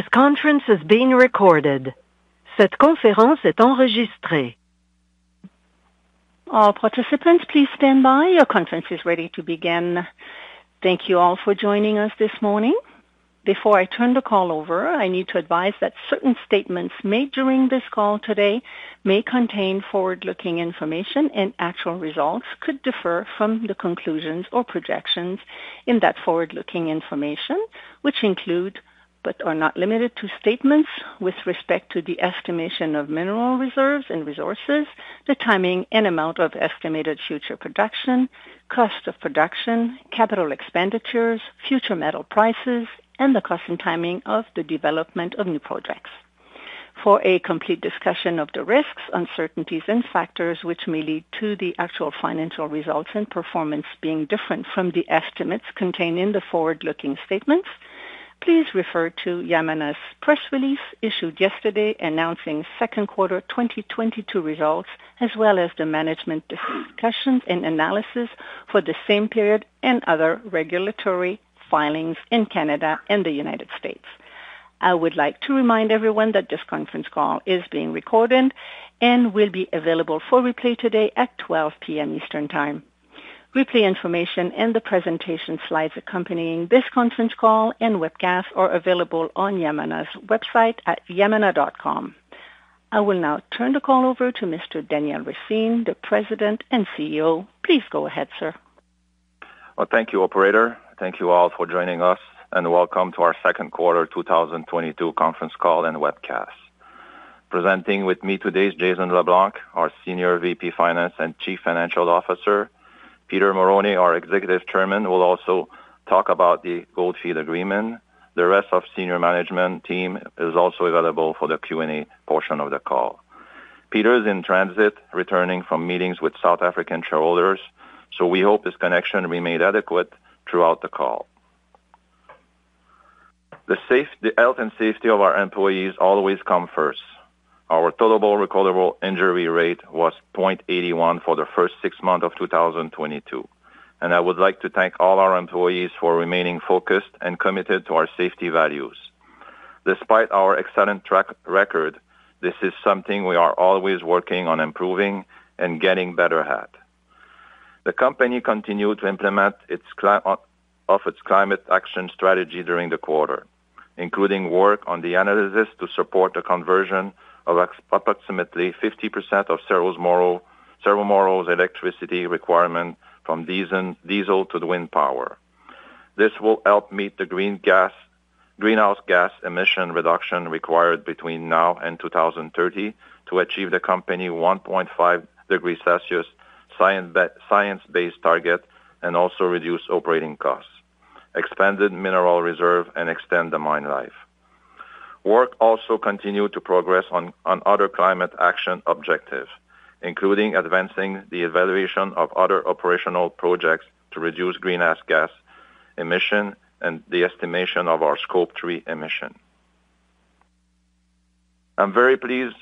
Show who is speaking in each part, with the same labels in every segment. Speaker 1: This conference is being recorded. All participants, please stand by. Your conference is ready to begin. Thank you all for joining us this morning. Before I turn the call over, I need to advise that certain statements made during this call today may contain forward-looking information, and actual results could differ from the conclusions or projections in that forward-looking information, which include but are not limited to statements with respect to the estimation of mineral reserves and resources, the timing and amount of estimated future production, cost of production, capital expenditures, future metal prices, and the cost and timing of the development of new projects. For a complete discussion of the risks, uncertainties and factors which may lead to the actual financial results and performance being different from the estimates contained in the forward-looking statements, please refer to Yamana's press release issued yesterday announcing Q2 2022 results, as well as the management discussion and analysis for the same period and other regulatory filings in Canada and the United States. I would like to remind everyone that this conference call is being recorded and will be available for replay today at 12:00 P.M. Eastern Time. Replay information and the presentation slides accompanying this conference call and webcast are available on Yamana's website at yamana.com. I will now turn the call over to Mr. Daniel Racine, the President and CEO. Please go ahead, sir.
Speaker 2: Well, thank you, operator. Thank you all for joining us, and welcome to our second quarter 2022 conference call and webcast. Presenting with me today is Jason LeBlanc, our Senior VP Finance and Chief Financial Officer. Peter Marrone, our Executive Chairman, will also talk about the Gold Fields agreement. The rest of senior management team is also available for the Q&A portion of the call. Peter is in transit, returning from meetings with South African shareholders, so we hope his connection remain adequate throughout the call. The health and safety of our employees always come first. Our total recordable injury rate was 0.81 for the first six months of 2022, and I would like to thank all our employees for remaining focused and committed to our safety values. Despite our excellent track record, this is something we are always working on improving and getting better at. The company continued to implement its climate action strategy during the quarter, including work on the analysis to support the conversion of approximately 50% of Cerro Moro's electricity requirement from diesel to the wind power. This will help meet the greenhouse gas emission reduction required between now and 2030 to achieve the company 1.5 degree Celsius science-based target and also reduce operating costs, expanded mineral reserve and extend the mine life. Work also continued to progress on other climate action objectives, including advancing the evaluation of other operational projects to reduce greenhouse gas emission and the estimation of our Scope 3 emission. I'm very pleased.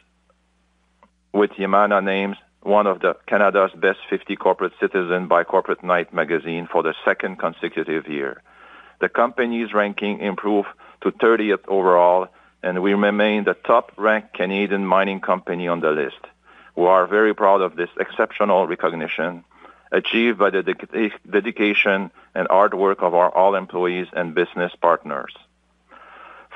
Speaker 2: Yamana has been named one of Canada's best 50 corporate citizens by Corporate Knights magazine for the second consecutive year. The company's ranking improved to 30th overall, and we remain the top-ranked Canadian mining company on the list. We are very proud of this exceptional recognition achieved by the dedication and hard work of all our employees and business partners.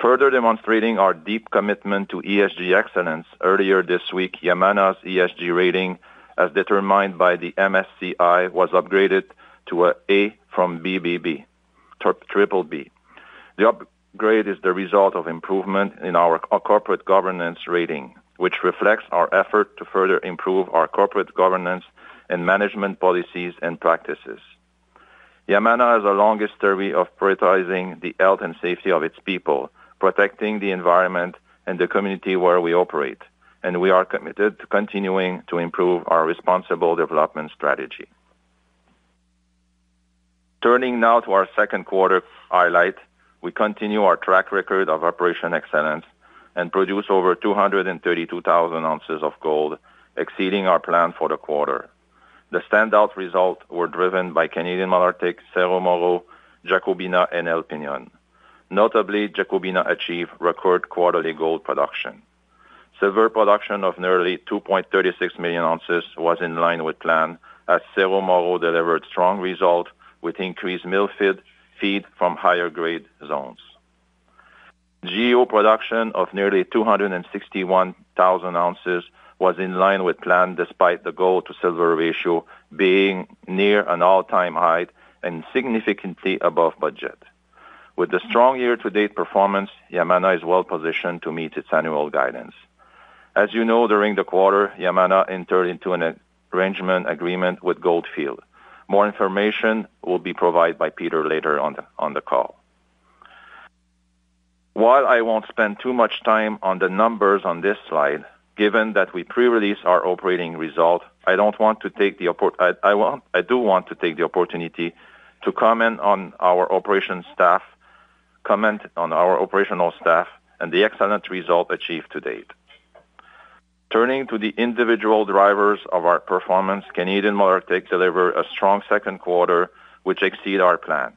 Speaker 2: Further demonstrating our deep commitment to ESG excellence, earlier this week, Yamana's ESG rating, as determined by the MSCI, was upgraded to A from BBB, triple B. The upgrade is the result of improvement in our corporate governance rating, which reflects our effort to further improve our corporate governance and management policies and practices. Yamana has the longest history of prioritizing the health and safety of its people, protecting the environment and the community where we operate, and we are committed to continuing to improve our responsible development strategy. Turning now to our second quarter highlight. We continue our track record of operational excellence and produce over 232,000 ounces of gold, exceeding our plan for the quarter. The standout results were driven by Canadian Malartic, Cerro Moro, Jacobina and El Peñón. Notably, Jacobina achieved record quarterly gold production. Silver production of nearly 2.36 million ounces was in line with plan as Cerro Moro delivered strong result with increased mill feed from higher grade zones. GEO production of nearly 261,000 ounces was in line with plan despite the gold to silver ratio being near an all-time high and significantly above budget. With the strong year-to-date performance, Yamana is well positioned to meet its annual guidance. As you know, during the quarter, Yamana entered into an arrangement agreement with Gold Fields. More information will be provided by Peter later on the call. While I won't spend too much time on the numbers on this slide, given that we pre-release our operating result, I do want to take the opportunity to comment on our operational staff and the excellent result achieved to date. Turning to the individual drivers of our performance, Canadian Malartic delivered a strong second quarter which exceed our plan.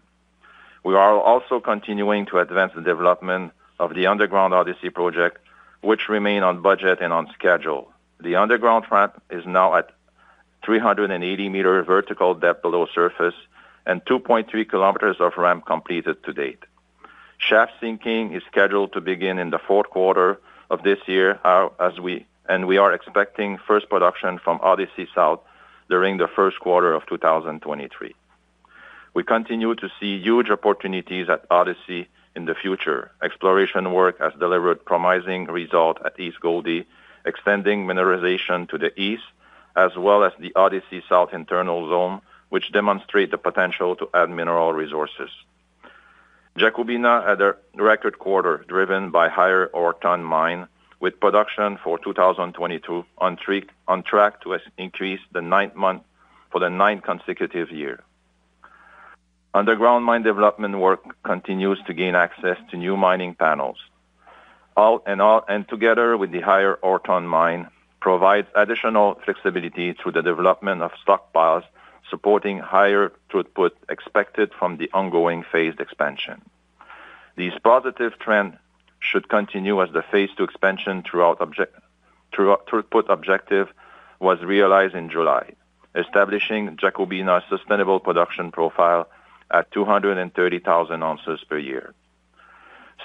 Speaker 2: We are also continuing to advance the development of the underground Odyssey project, which remain on budget and on schedule. The underground ramp is now at 380-meter vertical depth below surface and 2.3 kilometers of ramp completed to date. Shaft sinking is scheduled to begin in the fourth quarter of this year, and we are expecting first production from Odyssey South during the first quarter of 2023. We continue to see huge opportunities at Odyssey in the future. Exploration work has delivered promising result at East Gouldie, extending mineralization to the east, as well as the Odyssey South internal zone, which demonstrates the potential to add mineral resources. Jacobina had a record quarter driven by higher ore tonnes mined, with production for 2022 on track to increase for the ninth consecutive year. Underground mine development work continues to gain access to new mining panels, together with the higher ore tonnage mine, provides additional flexibility through the development of stockpiles, supporting higher throughput expected from the ongoing phased expansion. These positive trend should continue as the Phase Two expansion throughput objective was realized in July, establishing Jacobina's sustainable production profile at 230,000 ounces per year.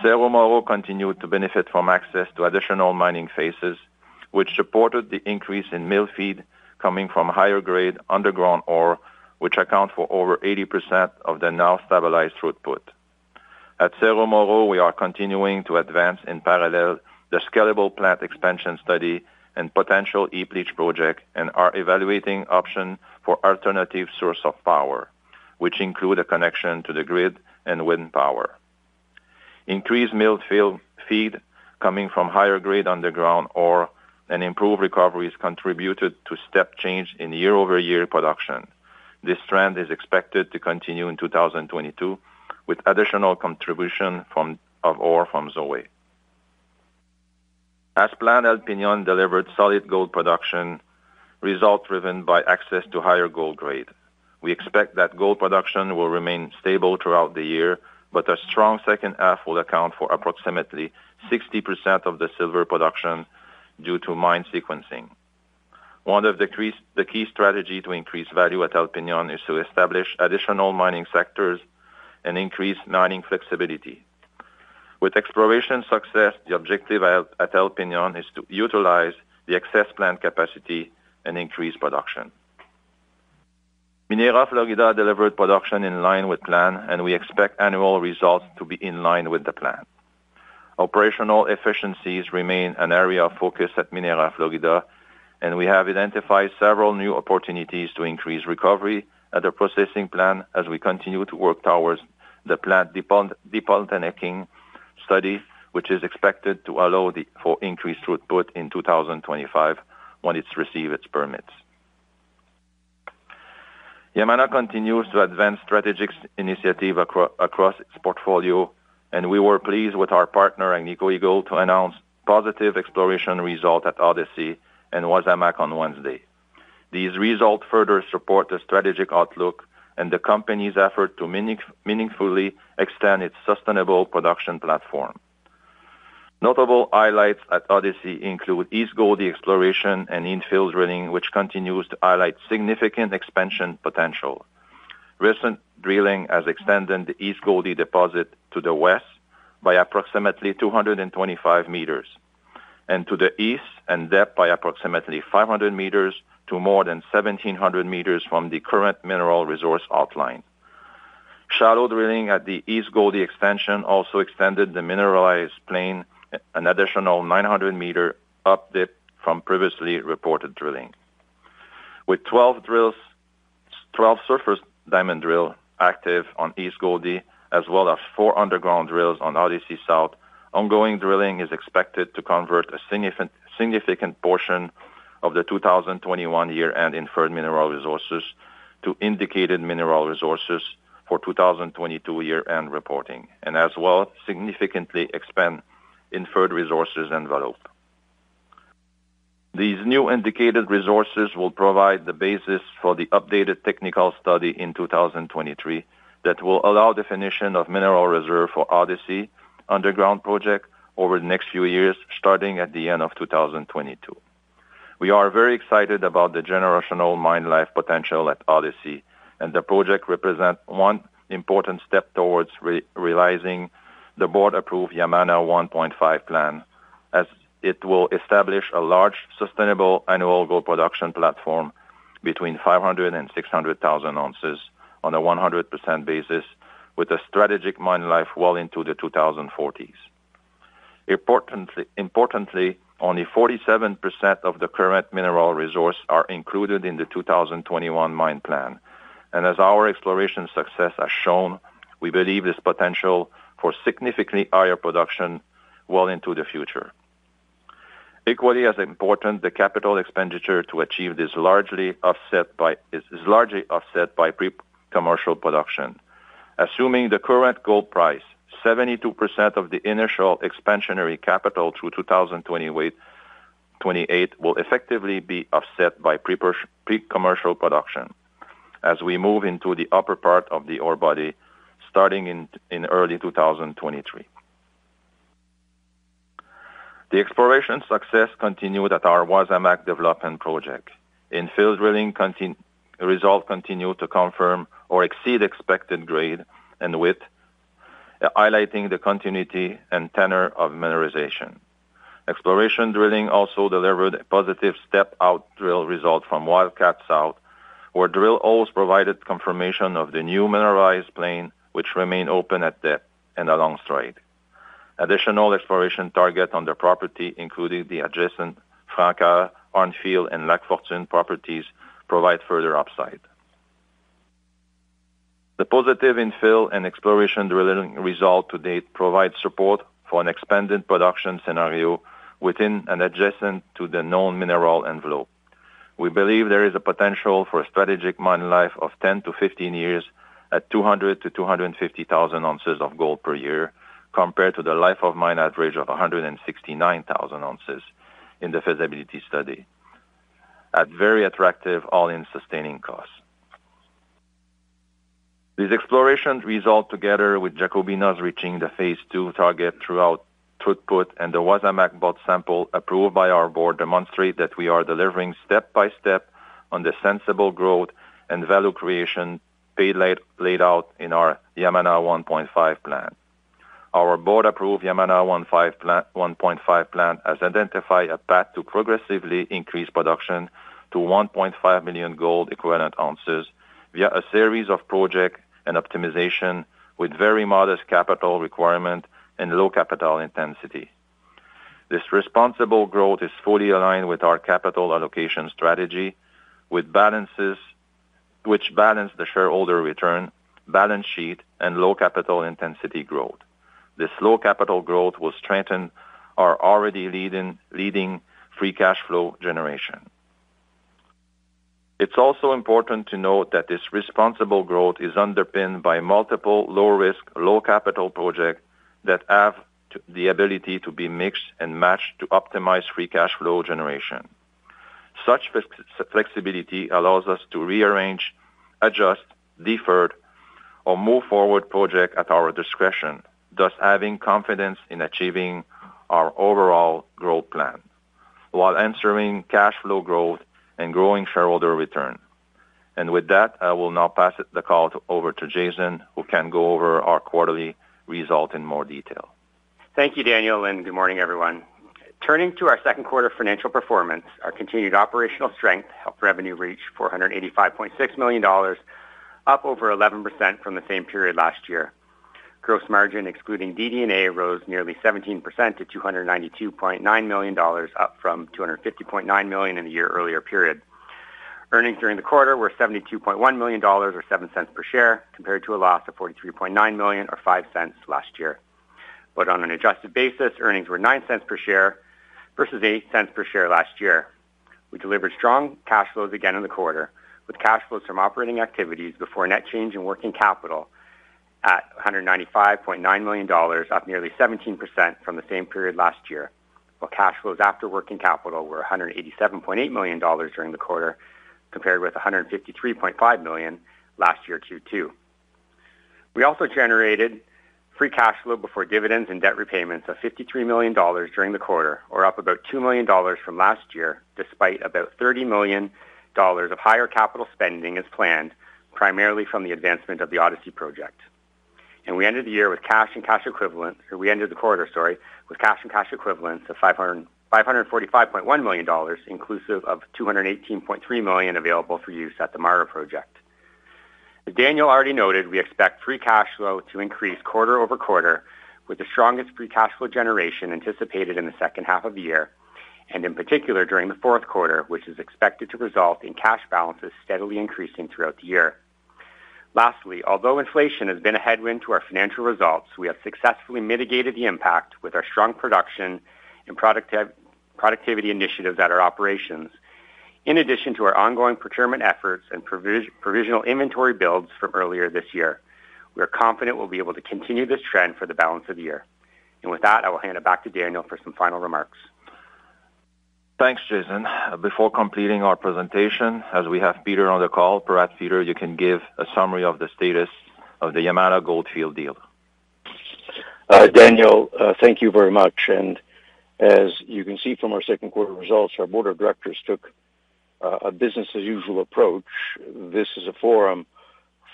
Speaker 2: Cerro Moro continued to benefit from access to additional mining phases, which supported the increase in mill feed coming from higher grade underground ore, which account for over 80% of the now stabilized throughput. At Cerro Moro, we are continuing to advance in parallel the scalable plant expansion study and potential heap leach project and are evaluating option for alternative source of power, which include a connection to the grid and wind power. Increased mill feed coming from higher grade underground ore and improved recovery has contributed to step change in year-over-year production. This trend is expected to continue in 2022, with additional contribution of ore from Zue. As planned, El Peñon delivered solid gold production result driven by access to higher gold grade. We expect that gold production will remain stable throughout the year, but a strong second half will account for approximately 60% of the silver production due to mine sequencing. One of the key strategy to increase value at El Peñon is to establish additional mining sectors and increase mining flexibility. With exploration success, the objective at El Peñon is to utilize the excess plant capacity and increase production. Minera Florida delivered production in line with plan, and we expect annual results to be in line with the plan. Operational efficiencies remain an area of focus at Minera Florida, and we have identified several new opportunities to increase recovery at the processing plant as we continue to work towards the plant debottlenecking study, which is expected to allow for increased throughput in 2025 when it's received its permits. Yamana continues to advance strategic initiatives across its portfolio, and we were pleased with our partner, Agnico Eagle, to announce positive exploration results at Odyssey and Wasamac on Wednesday. These results further support the strategic outlook and the company's effort to meaningfully extend its sustainable production platform. Notable highlights at Odyssey include East Gouldie exploration and infill drilling, which continues to highlight significant expansion potential. Recent drilling has extended the East Gouldie deposit to the west by approximately 225 meters, and to the east and depth by approximately 500 meters to more than 1,700 meters from the current mineral resource outline. Shallow drilling at the East Gouldie extension also extended the mineralized plane an additional 900 meters up dip from previously reported drilling. With 12 surface diamond drills active on East Gouldie, as well as four underground drills on Odyssey South, ongoing drilling is expected to convert a significant portion of the 2021 inferred mineral resources to indicated mineral resources for 2022 year-end reporting, and significantly expand inferred resources envelope. These new indicated resources will provide the basis for the updated technical study in 2023 that will allow definition of mineral reserve for Odyssey underground project over the next few years, starting at the end of 2022. We are very excited about the generational mine life potential at Odyssey, and the project represent one important step towards re-realizing the board-approved Yamana 1.5 Plan as it will establish a large, sustainable annual gold production platform between 500-600 thousand ounces on a 100% basis with a strategic mine life well into the 2040s. Importantly, only 47% of the current mineral resource are included in the 2021 mine plan. As our exploration success has shown, we believe there's potential for significantly higher production well into the future. Equally as important, the capital expenditure to achieve this is largely offset by pre-commercial production. Assuming the current gold price, 72% of the initial expansionary capital through 2028 will effectively be offset by pre-commercial production as we move into the upper part of the ore body starting in early 2023. The exploration success continued at our Wasamac development project. Infill drilling results continued to confirm or exceed expected grade and width, highlighting the continuity and tenor of mineralization. Exploration drilling also delivered a positive step-out drill result from Wildcat South, where drill holes provided confirmation of the new mineralized plane, which remained open at depth and along strike. Additional exploration targets on the property, including the adjacent Francoeur, Arntfield, and La Fortune properties, provide further upside. The positive infill and exploration drilling result to date provides support for an expanded production scenario within and adjacent to the known mineral envelope. We believe there is a potential for a strategic mine life of 10-15 years at 200-250,000 ounces of gold per year compared to the life of mine average of 169,000 ounces in the feasibility study at very attractive all-in sustaining costs. These exploration results, together with Jacobina's reaching the phase two throughput target and the Wasamac bulk sample approved by our board, demonstrate that we are delivering step by step on the sensible growth and value creation laid out in our Yamana 1.5 Plan. Our board-approved Yamana 1.5 Plan has identified a path to progressively increase production to 1.5 million gold equivalent ounces via a series of projects and optimization with very modest capital requirement and low capital intensity. This responsible growth is fully aligned with our capital allocation strategy, with balance, which balances the shareholder return, balance sheet, and low capital intensity growth. This low capital growth will strengthen our already leading Free Cash Flow generation. It's also important to note that this responsible growth is underpinned by multiple low-risk, low capital projects that have the ability to be mixed and matched to optimize Free Cash Flow generation. Such flexibility allows us to rearrange, adjust, defer, or move forward projects at our discretion, thus having confidence in achieving our overall growth plan while ensuring cash flow growth and growing shareholder return. With that, I will now pass the call over to Jason, who can go over our quarterly results in more detail.
Speaker 3: Thank you, Daniel, and good morning, everyone. Turning to our second quarter financial performance, our continued operational strength helped revenue reach $485.6 million, up over 11% from the same period last year. Gross margin, excluding DD&A, rose nearly 17% to $292.9 million, up from $250.9 million in the year earlier period. Earnings during the quarter were $72.1 million, or $0.07 per share, compared to a loss of $43.9 million or $0.05 last year. On an adjusted basis, earnings were $0.09 per share versus $0.08 per share last year. We delivered strong cash flows again in the quarter, with cash flows from operating activities before net change in working capital at $195.9 million, up nearly 17% from the same period last year, while cash flows after working capital were $187.8 million during the quarter, compared with $153.5 million last year, Q2. We also generated free cash flow before dividends and debt repayments of $53 million during the quarter or up about $2 million from last year, despite about $30 million of higher capital spending as planned, primarily from the advancement of the Odyssey project. We ended the year with cash and cash equivalents, or we ended the quarter, sorry, with cash and cash equivalents of $545.1 million, inclusive of $218.3 million available for use at the Mara project. As Daniel already noted, we expect free cash flow to increase quarter-over-quarter, with the strongest free cash flow generation anticipated in the second half of the year and in particular during the fourth quarter, which is expected to result in cash balances steadily increasing throughout the year. Lastly, although inflation has been a headwind to our financial results, we have successfully mitigated the impact with our strong production and productivity initiatives at our operations. In addition to our ongoing procurement efforts and provisional inventory builds from earlier this year, we are confident we'll be able to continue this trend for the balance of the year. With that, I will hand it back to Daniel for some final remarks.
Speaker 2: Thanks, Jason. Before completing our presentation, as we have Peter on the call, perhaps, Peter, you can give a summary of the status of the Yamana Gold Fields deal.
Speaker 4: Daniel, thank you very much. As you can see from our second quarter results, our board of directors took a business as usual approach. This is a forum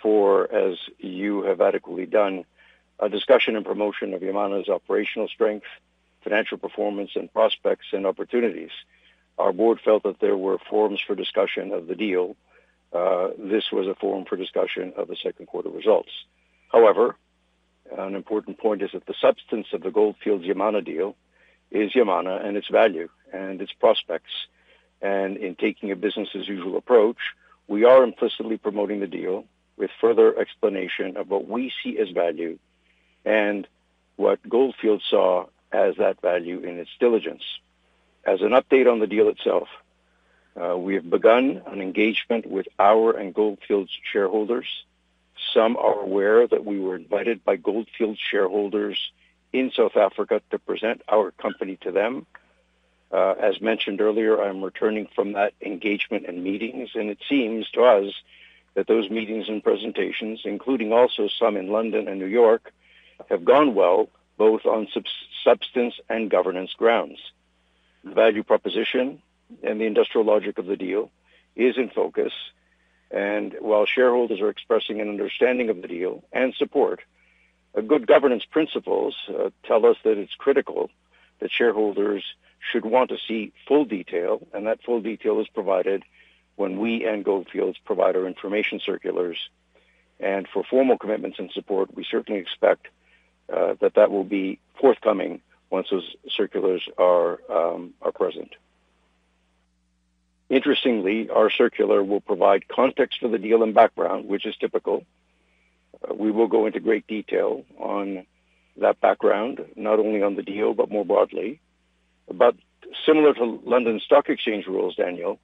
Speaker 4: for, as you have adequately done, a discussion and promotion of Yamana's operational strength, financial performance and prospects and opportunities. Our board felt that there were forums for discussion of the deal. This was a forum for discussion of the second quarter results. However, an important point is that the substance of the Gold Fields Yamana deal is Yamana and its value and its prospects. In taking a business as usual approach, we are implicitly promoting the deal with further explanation of what we see as value and what Gold Fields saw as that value in its diligence. As an update on the deal itself, we have begun an engagement with our and Gold Fields' shareholders. Some are aware that we were invited by Gold Fields shareholders in South Africa to present our company to them. As mentioned earlier, I'm returning from that engagement and meetings, and it seems to us that those meetings and presentations, including also some in London and New York, have gone well, both on substance and governance grounds. The value proposition and the industrial logic of the deal is in focus. While shareholders are expressing an understanding of the deal and support, good governance principles tell us that it's critical that shareholders should want to see full detail, and that full detail is provided when we and Gold Fields provide our information circulars. For formal commitments and support, we certainly expect that that will be forthcoming once those circulars are present. Interestingly, our circular will provide context for the deal and background, which is typical. We will go into great detail on that background, not only on the deal but more broadly. Similar to London Stock Exchange rules, Daniel,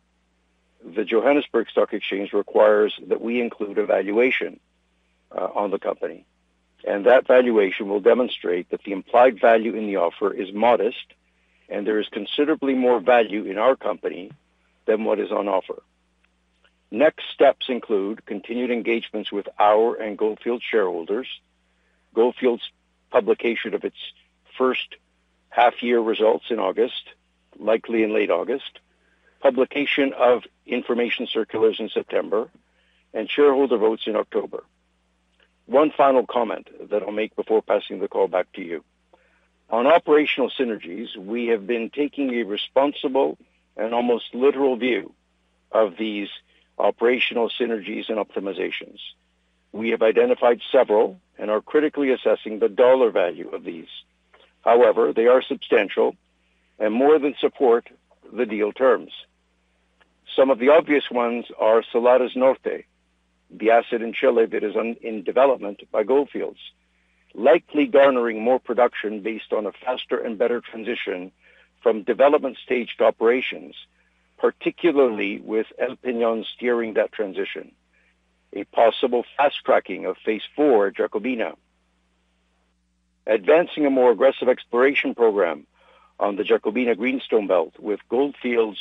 Speaker 4: the Johannesburg Stock Exchange requires that we include a valuation on the company, and that valuation will demonstrate that the implied value in the offer is modest and there is considerably more value in our company than what is on offer. Next steps include continued engagements with our and Gold Fields shareholders, Gold Fields publication of its first half year results in August, likely in late August, publication of information circulars in September, and shareholder votes in October. One final comment that I'll make before passing the call back to you. On operational synergies, we have been taking a responsible and almost literal view of these operational synergies and optimizations. We have identified several and are critically assessing the dollar value of these. However, they are substantial and more than support the deal terms. Some of the obvious ones are Salares Norte, the asset in Chile that is in development by Gold Fields, likely garnering more production based on a faster and better transition from development stage to operations, particularly with El Peñón steering that transition. A possible fast-tracking of phase four at Jacobina. Advancing a more aggressive exploration program on the Jacobina Greenstone Belt with Gold Fields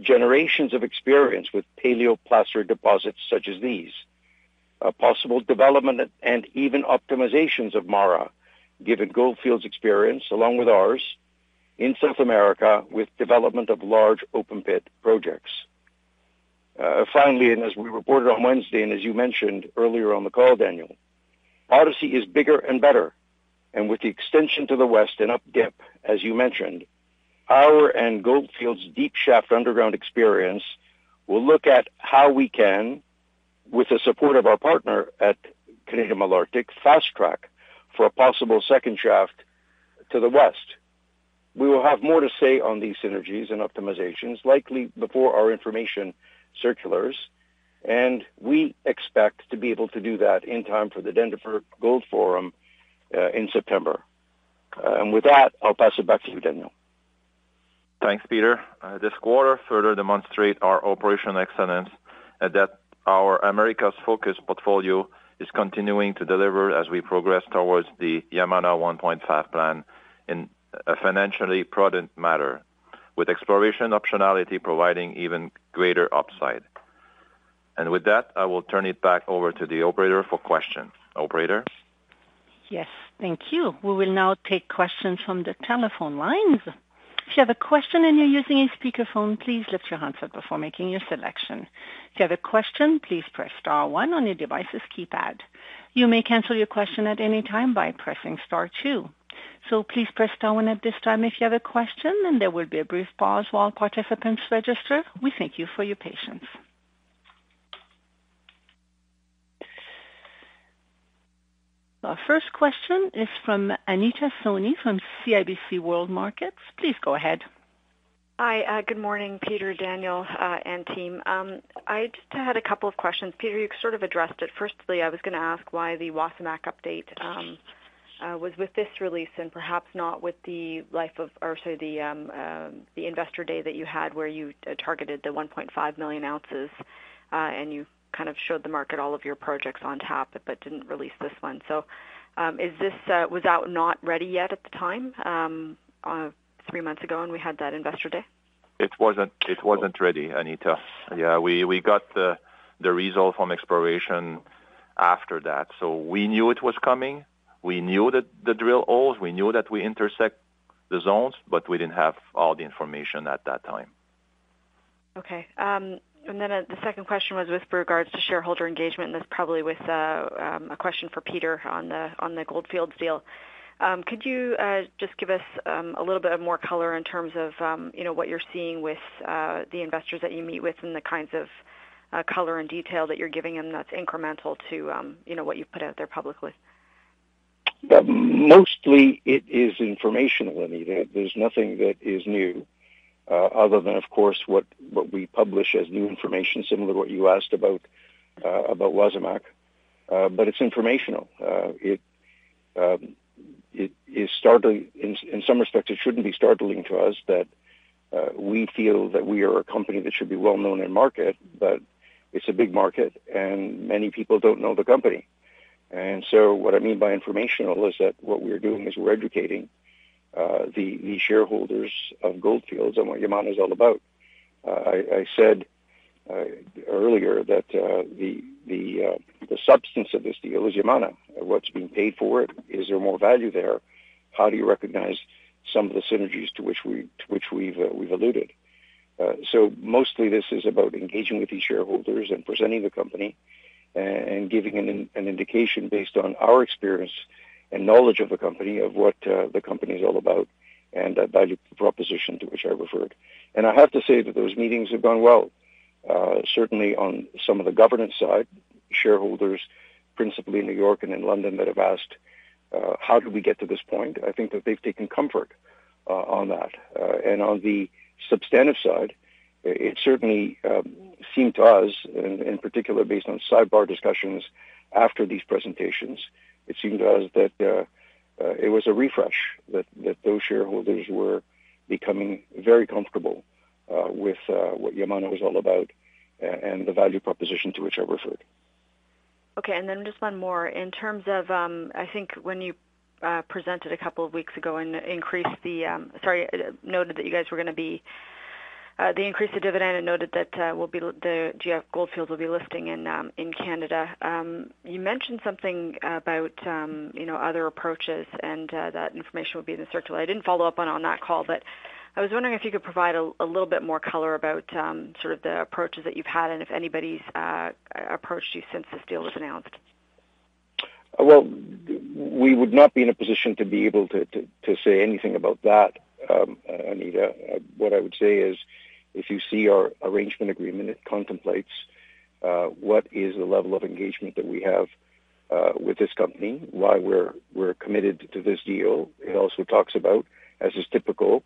Speaker 4: generations of experience with paleoplacer deposits such as these. A possible development and even optimizations of Mara, given Gold Fields experience along with ours in South America with development of large open pit projects. Finally, and as we reported on Wednesday, and as you mentioned earlier on the call, Daniel, Odyssey is bigger and better. With the extension to the west and up dip, as you mentioned, our and Gold Fields deep shaft underground experience will look at how we can, with the support of our partner at Canadian Malartic, fast track for a possible second shaft to the west. We will have more to say on these synergies and optimizations, likely before our information circulars, and we expect to be able to do that in time for the Denver Gold Forum in September. With that, I'll pass it back to you, Daniel.
Speaker 2: Thanks, Peter. This quarter further demonstrates our operational excellence and that our Americas focus portfolio is continuing to deliver as we progress towards the Yamana 1.5 Plan in a financially prudent manner, with exploration optionality providing even greater upside. With that, I will turn it back over to the operator for questions. Operator?
Speaker 1: Yes. Thank you. We will now take questions from the telephone lines. If you have a question and you're using a speakerphone, please lift your handset before making your selection. If you have a question, please press star one on your device's keypad. You may cancel your question at any time by pressing star two. Please press star one at this time if you have a question, and there will be a brief pause while participants register. We thank you for your patience. Our first question is from Anita Soni from CIBC World Markets. Please go ahead.
Speaker 5: Hi. Good morning, Peter, Daniel, and team. I just had a couple of questions. Peter, you sort of addressed it. Firstly, I was gonna ask why the Wasamac update was with this release and perhaps not with the investor day that you had where you targeted the 1.5 million ounces, and you kind of showed the market all of your projects on top but didn't release this one. Is this, was that not ready yet at the time, three months ago when we had that investor day?
Speaker 2: It wasn't ready, Anita. Yeah. We got the result from exploration after that. We knew it was coming. We knew that we intersect the zones, but we didn't have all the information at that time.
Speaker 5: Okay. The second question was with regards to shareholder engagement, and that's probably a question for Peter on the Gold Fields deal. Could you just give us a little bit more color in terms of what you're seeing with the investors that you meet with and the kinds of color and detail that you're giving them that's incremental to what you've put out there publicly?
Speaker 4: Mostly it is informational, Anita. There's nothing that is new, other than of course, what we publish as new information, similar to what you asked about Wasamac. It's informational. It is startling in some respects. It shouldn't be startling to us that we feel that we are a company that should be well-known in market, but it's a big market, and many people don't know the company. What I mean by informational is that what we're doing is we're educating the shareholders of Gold Fields on what Yamana is all about. I said earlier that the substance of this deal is Yamana. What's being paid for it? Is there more value there? How do you recognize some of the synergies to which we've alluded? Mostly this is about engaging with these shareholders and presenting the company and giving an indication based on our experience and knowledge of the company of what the company is all about and the value proposition to which I referred. I have to say that those meetings have gone well, certainly on some of the governance side, shareholders principally in New York and in London that have asked how did we get to this point. I think that they've taken comfort on that. On the substantive side, it certainly seemed to us in particular, based on sidebar discussions after these presentations, it seemed to us that it was a refresh that those shareholders were becoming very comfortable with what Yamana was all about and the value proposition to which I referred.
Speaker 5: Okay. Just one more. In terms of, I think when you presented a couple of weeks ago and noted the increase in dividend and noted that Gold Fields will be listing in Canada. You mentioned something about other approaches and that information will be in the circular. I didn't follow up on that call, but I was wondering if you could provide a little bit more color about sort of the approaches that you've had and if anybody's approached you since this deal was announced.
Speaker 4: Well, we would not be in a position to be able to say anything about that, Anita. What I would say is, if you see our arrangement agreement, it contemplates what is the level of engagement that we have with this company, why we're committed to this deal. It also talks about, as is typical,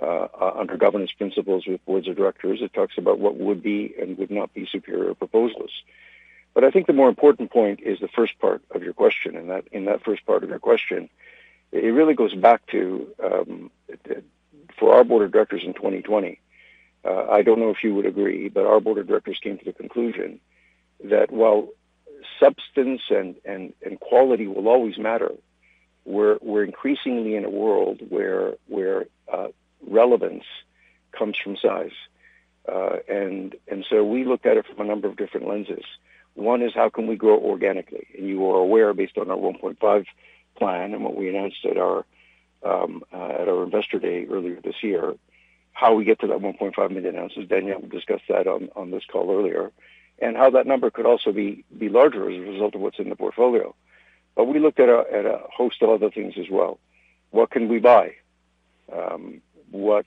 Speaker 4: under governance principles with boards of directors, it talks about what would be and would not be superior proposals. I think the more important point is the first part of your question, and that in that first part of your question, it really goes back to, for our board of directors in 2020, I don't know if you would agree, but our board of directors came to the conclusion that while substance and quality will always matter, we're increasingly in a world where relevance comes from size. We looked at it from a number of different lenses. One is how can we grow organically? You are aware, based on our 1.5 Plan and what we announced at our investor day earlier this year, how we get to that 1.5 million ounces. Daniel discussed that on this call earlier. How that number could also be larger as a result of what's in the portfolio. We looked at a host of other things as well. What can we buy? What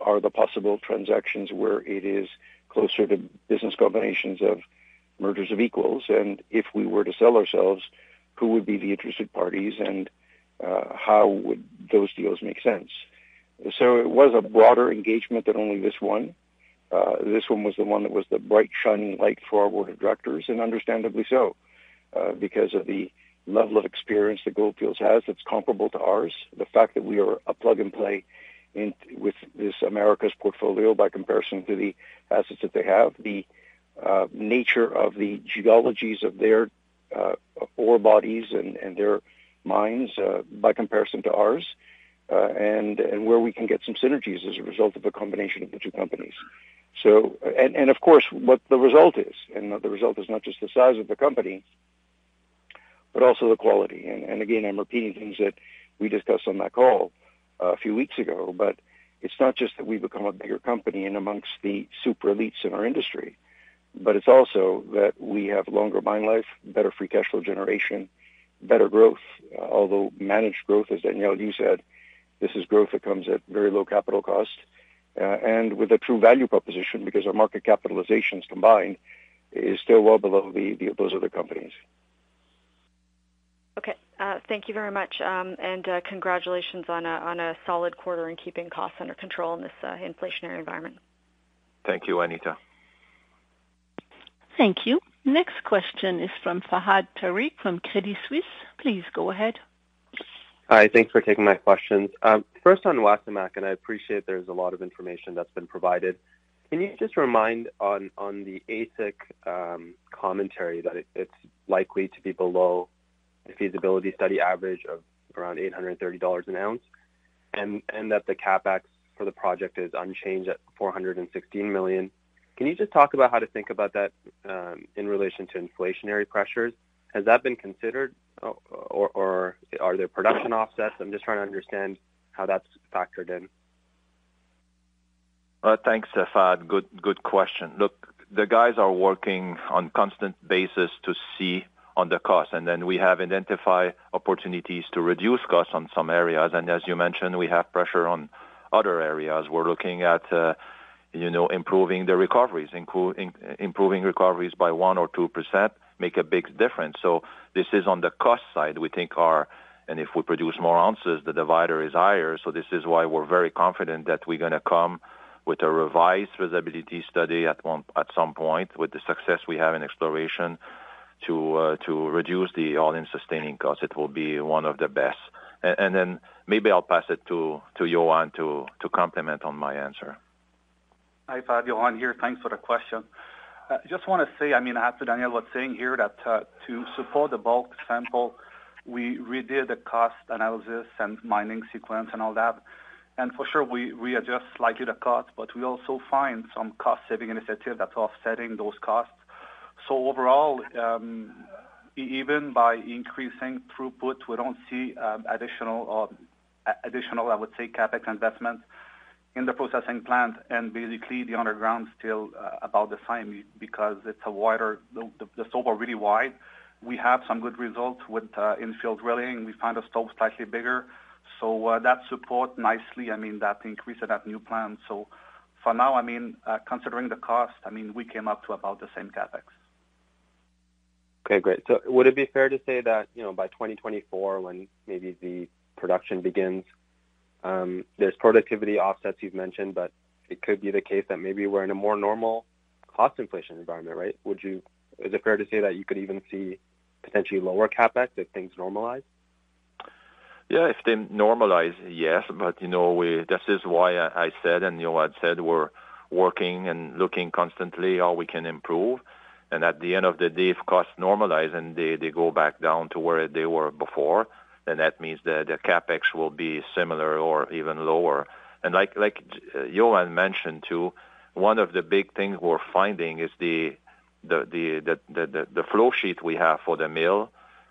Speaker 4: are the possible transactions where it is closer to business combinations of mergers of equals? If we were to sell ourselves, who would be the interested parties, and how would those deals make sense? It was a broader engagement than only this one. This one was the one that was the bright, shining light for our board of directors, and understandably so, because of the level of experience that Gold Fields has that's comparable to ours. The fact that we are a plug and play with this America's portfolio by comparison to the assets that they have, the nature of the geologies of their ore bodies and their mines by comparison to ours and where we can get some synergies as a result of the combination of the two companies. Of course, what the result is, and the result is not just the size of the company, but also the quality. Again, I'm repeating things that we discussed on that call a few weeks ago, but it's not just that we've become a bigger company in amongst the super elites in our industry, but it's also that we have longer mine life, better free cash flow generation, better growth. Although managed growth, as Daniel, you said, this is growth that comes at very low capital cost, and with a true value proposition because our market capitalizations combined is still well below those other companies.
Speaker 5: Okay. Thank you very much, and congratulations on a solid quarter and keeping costs under control in this inflationary environment.
Speaker 4: Thank you, Anita.
Speaker 1: Thank you. Next question is from Fahad Tariq from Credit Suisse. Please go ahead.
Speaker 6: Hi. Thanks for taking my questions. First on Wasamac, I appreciate there's a lot of information that's been provided. Can you just remind on the AISC commentary that it's likely to be below the feasibility study average of around $830 an ounce, and that the CapEx for the project is unchanged at $416 million. Can you just talk about how to think about that in relation to inflationary pressures? Has that been considered, or are there production offsets? I'm just trying to understand how that's factored in.
Speaker 2: Thanks, Fahad. Good question. Look, the guys are working on constant basis to see on the cost, and then we have identified opportunities to reduce costs on some areas. As you mentioned, we have pressure on other areas. We're looking at improving recoveries by 1% or 2% make a big difference. This is on the cost side. We think our. If we produce more ounces, the denominator is higher. This is why we're very confident that we're gonna come with a revised feasibility study at some point with the success we have in exploration. To reduce the All-in Sustaining Cost, it will be one of the best. Maybe I'll pass it to Yohann to comment on my answer.
Speaker 7: Hi, Fahad, Yohann here. Thanks for the question. I just wanna say, I mean, after Daniel was saying here that to support the bulk sample, we redid the cost analysis and mining sequence and all that. For sure we readjust slightly the cost, but we also find some cost saving initiative that's offsetting those costs. Overall, even by increasing throughput, we don't see additional, I would say, CapEx investments in the processing plant, and basically the underground still about the same because it's wider, the stope are really wide. We have some good results with in-field drilling, and we find the stope slightly bigger. That support nicely, I mean, that increase of that new plan. For now, I mean, considering the cost, I mean, we came up to about the same CapEx.
Speaker 6: Okay, great. Would it be fair to say that by 2024, when maybe the production begins, there's productivity offsets you've mentioned, but it could be the case that maybe we're in a more normal cost inflation environment, right? Is it fair to say that you could even see potentially lower CapEx if things normalize?
Speaker 2: Yeah, if things normalize, yes. You know, we this is why I said and Yohann said, we're working and looking constantly how we can improve. At the end of the day, if costs normalize and they go back down to where they were before, then that means that the CapEx will be similar or even lower. Like Yohann mentioned too, one of the big things we're finding is the flow sheet we have for the mill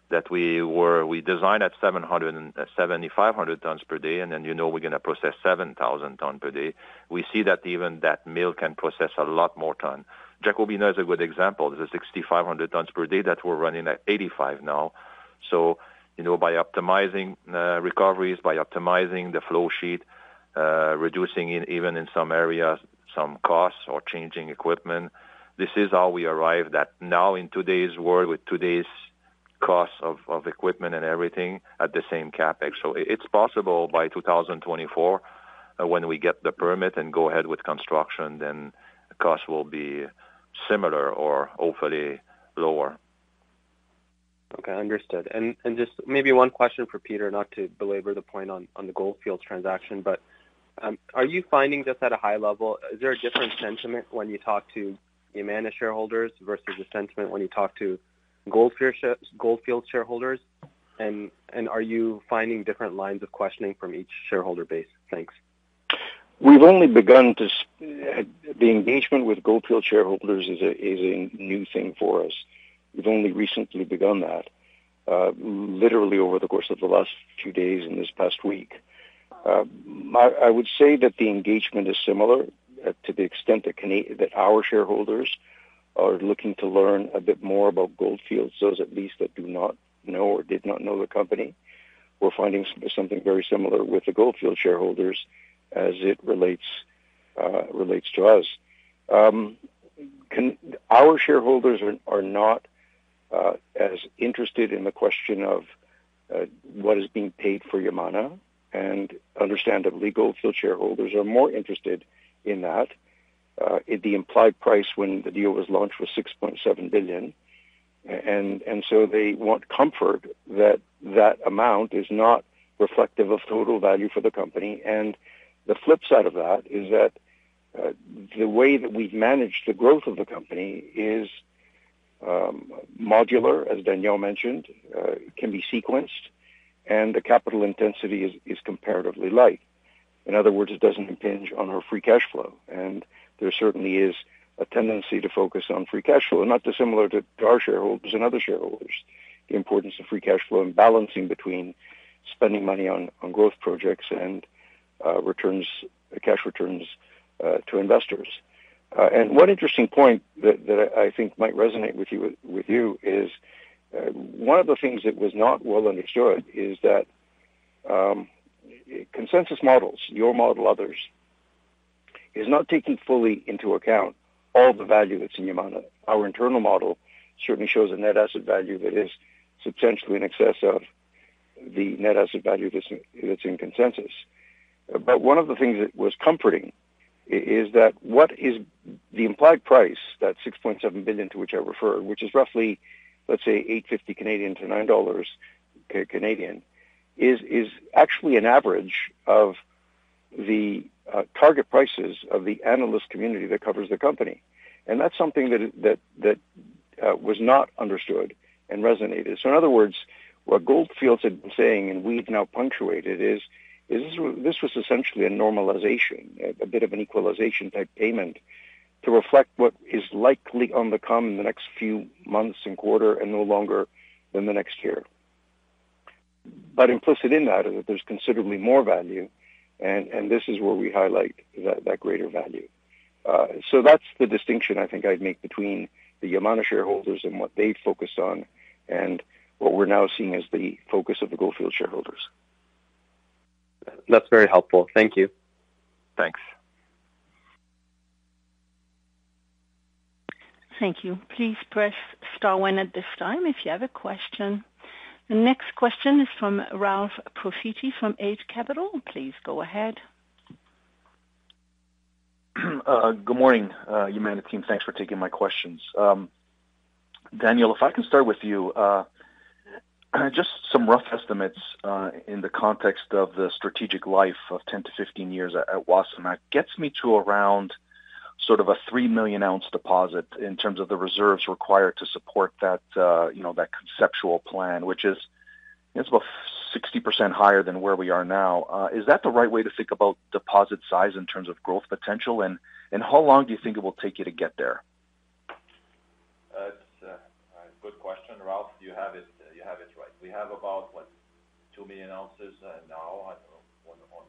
Speaker 2: that we designed at 7,750 tons per day, and then we're gonna process 7,000 ton per day. We see that even that mill can process a lot more ton. Jacobina's a good example. There's a 6,500 tons per day that we're running at 8,500 now. You know, by optimizing recoveries, by optimizing the flow sheet, reducing even in some areas some costs or changing equipment, this is how we arrive at that now in today's world with today's costs of equipment and everything at the same CapEx. It's possible by 2024, when we get the permit and go ahead with construction, then costs will be similar or hopefully lower.
Speaker 6: Okay, understood. Just maybe one question for Peter, not to belabor the point on the Gold Fields transaction, but are you finding this at a high level? Is there a different sentiment when you talk to Yamana shareholders versus the sentiment when you talk to Gold Fields shareholders? Are you finding different lines of questioning from each shareholder base? Thanks.
Speaker 4: The engagement with Gold Fields shareholders is a new thing for us. We've only recently begun that, literally over the course of the last few days and this past week. I would say that the engagement is similar to the extent that our shareholders are looking to learn a bit more about Gold Fields, those at least that do not know or did not know the company. We're finding something very similar with the Gold Fields shareholders as it relates to us. Our shareholders are not as interested in the question of what is being paid for Yamana, and understandably, Gold Fields shareholders are more interested in that. The implied price when the deal was launched was 6.7 billion, and they want comfort that that amount is not reflective of total value for the company. The flip side of that is that the way that we've managed the growth of the company is modular, as Daniel mentioned, can be sequenced, and the capital intensity is comparatively light. In other words, it doesn't impinge on our free cash flow. There certainly is a tendency to focus on free cash flow, not dissimilar to our shareholders and other shareholders, the importance of free cash flow and balancing between spending money on growth projects and returns, cash returns, to investors. One interesting point that I think might resonate with you is one of the things that was not well understood is that consensus models, your model, others, is not taking fully into account all the value that's in Yamana. Our internal model certainly shows a net asset value that is substantially in excess of the net asset value that's in consensus. One of the things that was comforting is that what is the implied price, that $6.7 billion to which I refer, which is roughly, let's say, 8.50-9.00 dollars, is actually an average of the target prices of the analyst community that covers the company. That's something that was not understood and resonated. In other words, what Gold Fields had been saying and we've now punctuated is this was essentially a normalization, a bit of an equalization type payment to reflect what is likely on the come in the next few months and quarter and no longer than the next year. Implicit in that is that there's considerably more value and this is where we highlight that greater value. That's the distinction I think I'd make between the Yamana shareholders and what they focus on and what we're now seeing as the focus of the Gold Fields shareholders.
Speaker 6: That's very helpful. Thank you.
Speaker 4: Thanks.
Speaker 2: Thank you. Please press star one at this time if you have a question. The next question is from Ralph Profiti from Eight Capital. Please go ahead.
Speaker 8: Good morning, Yamana team. Thanks for taking my questions. Daniel, if I can start with you. Just some rough estimates, in the context of the strategic life of 10-15 years at Wasamac gets me to around sort of a 3 million ounce deposit in terms of the reserves required to support that that conceptual plan, which is, it's about 60% higher than where we are now. Is that the right way to think about deposit size in terms of growth potential? How long do you think it will take you to get there?
Speaker 2: That's a good question, Ralph. You have it right. We have about 2 million ounces now on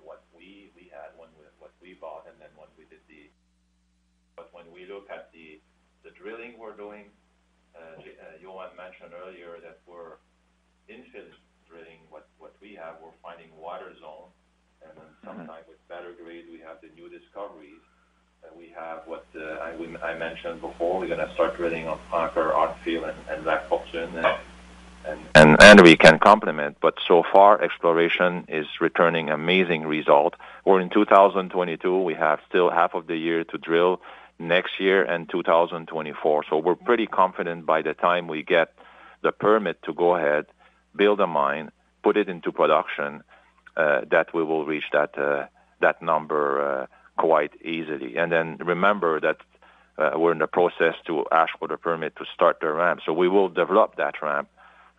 Speaker 2: what we had when we bought and then when we did the. When we look at the drilling we're doing, Yohann mentioned earlier that we're infill drilling what we have. We're finding water zone, and then sometimes with better grade, we have the new discoveries. We have what I mentioned before, we're gonna start drilling on Francoeur, Arntfield and La Fortune. We can complement, but so far, exploration is returning amazing result. We're in 2022, we have still half of the year to drill next year and 2024. We're pretty confident by the time we get the permit to go ahead, build a mine, put it into production, that we will reach that number quite easily. Remember that, we're in the process to ask for the permit to start the ramp. We will develop that ramp,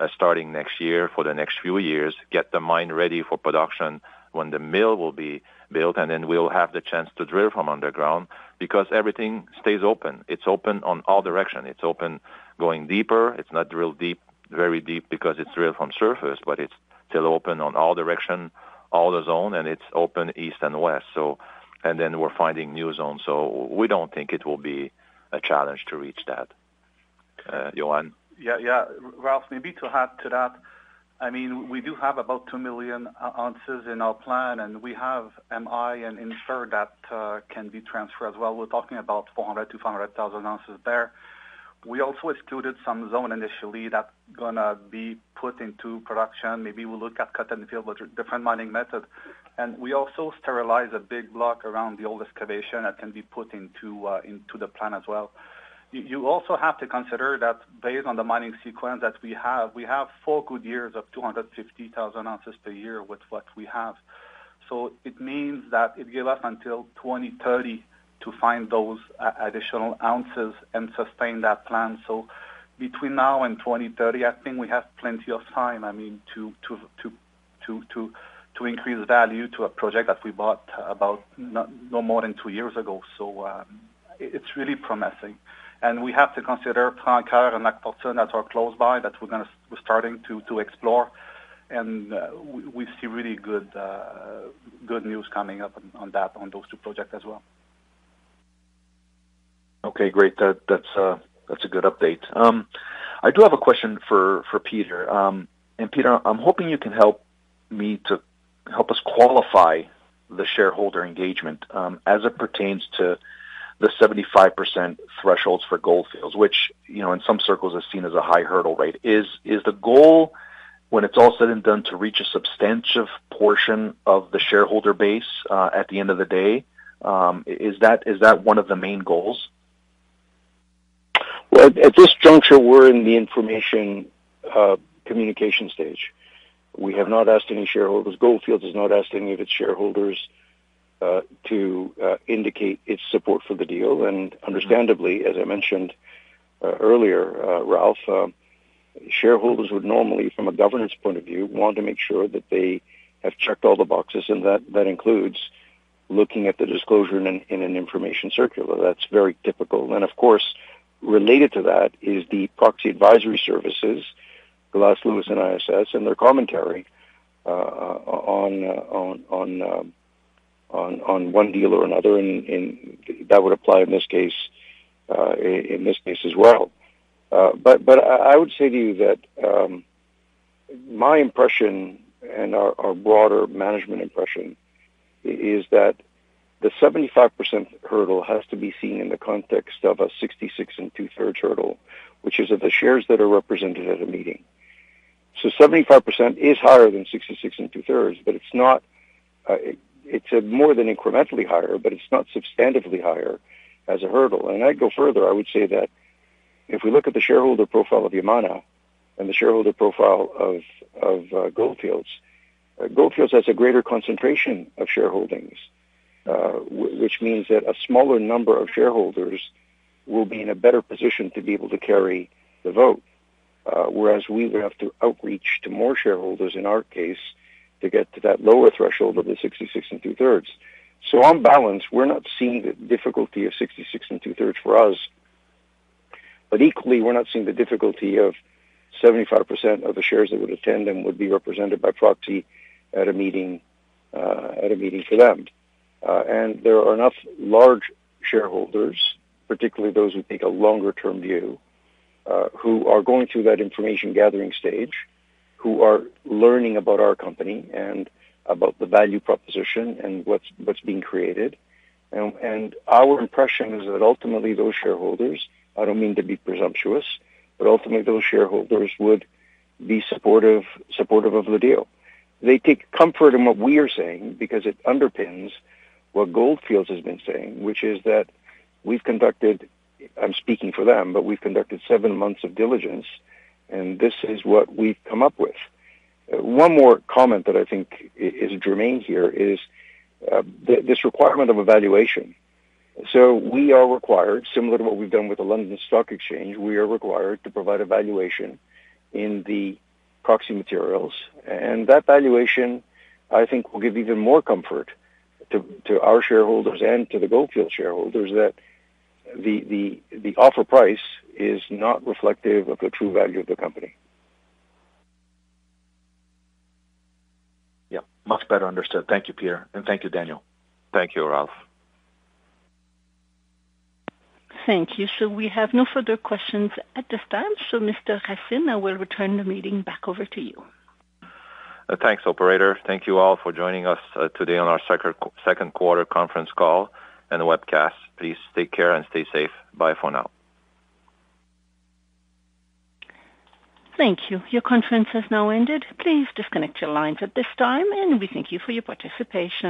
Speaker 2: starting next year for the next few years, get the mine ready for production when the mill will be built, and then we'll have the chance to drill from underground because everything stays open. It's open on all direction. It's open going deeper. It's not drilled very deep because it's drilled from surface, but it's still open on all direction, all the zone, and it's open east and west. And then we're finding new zones. We don't think it will be a challenge to reach that. Yohann?
Speaker 7: Yeah, yeah. Ralph, maybe to add to that, I mean, we do have about 2 million ounces in our plan, and we have M&I and inferred that can be transferred as well. We're talking about 400, 200,000 ounces there. We also excluded some zone initially that's gonna be put into production. Maybe we'll look at cut in the field with different mining method. We also sterilize a big block around the old excavation that can be put into the plan as well. You also have to consider that based on the mining sequence that we have, we have 4 good years of 250,000 ounces per year with what we have. It means that it give us until 2030 to find those additional ounces and sustain that plan. Between now and 2030, I think we have plenty of time, I mean, to increase value to a project that we bought about no more than 2 years ago. It's really promising. We have to consider Francoeur and Lac Fortune that are close by, that we're starting to explore. We see really good news coming up on those two projects as well.
Speaker 8: Okay, great. That's a good update. I do have a question for Peter. Peter, I'm hoping you can help me to help us qualify the shareholder engagement, as it pertains to the 75% thresholds for Gold Fields, which in some circles is seen as a high hurdle rate. Is the goal when it's all said and done to reach a substantive portion of the shareholder base, at the end of the day? Is that one of the main goals?
Speaker 4: Well, at this juncture, we're in the information communication stage. We have not asked any shareholders. Gold Fields has not asked any of its shareholders to indicate its support for the deal. Understandably, as I mentioned earlier, Ralph, shareholders would normally, from a governance point of view, want to make sure that they have checked all the boxes, and that includes looking at the disclosure in an information circular. That's very typical. Of course, related to that is the proxy advisory services, Glass Lewis and ISS and their commentary on one deal or another. That would apply in this case as well. I would say to you that my impression and our broader management impression is that the 75% hurdle has to be seen in the context of a 66 2/3% hurdle, which is of the shares that are represented at a meeting. 75% is higher than 66 2/3%, but it's not, it's more than incrementally higher, but it's not substantively higher as a hurdle. I'd go further, I would say that if we look at the shareholder profile of Yamana and the shareholder profile of Gold Fields, Gold Fields has a greater concentration of shareholdings, which means that a smaller number of shareholders will be in a better position to be able to carry the vote. Whereas we would have to outreach to more shareholders in our case to get to that lower threshold of the 66 2/3. On balance, we're not seeing the difficulty of 66 2/3 for us. Equally, we're not seeing the difficulty of 75% of the shares that would attend and would be represented by proxy at a meeting for them. There are enough large shareholders, particularly those who take a longer term view, who are going through that information gathering stage, who are learning about our company and about the value proposition and what's being created. Our impression is that ultimately those shareholders, I don't mean to be presumptuous, but ultimately those shareholders would be supportive of the deal. They take comfort in what we are saying because it underpins what Gold Fields has been saying, which is that we've conducted, I'm speaking for them, but we've conducted seven months of diligence, and this is what we've come up with. One more comment that I think is germane here is this requirement of valuation. We are required, similar to what we've done with the London Stock Exchange, we are required to provide valuation in the proxy materials. That valuation, I think, will give even more comfort to our shareholders and to the Gold Fields shareholders that the offer price is not reflective of the true value of the company.
Speaker 8: Yeah, much better understood. Thank you, Peter. Thank you, Daniel.
Speaker 2: Thank you, Ralph.
Speaker 1: Thank you. We have no further questions at this time. Mr. Racine, I will return the meeting back over to you.
Speaker 2: Thanks, operator. Thank you all for joining us today on our second quarter conference call and webcast. Please take care and stay safe. Bye for now.
Speaker 1: Thank you. Your conference has now ended. Please disconnect your lines at this time, and we thank you for your participation.